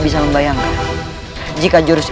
hal seperti itu